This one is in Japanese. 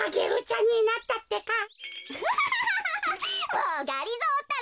もうがりぞーったら。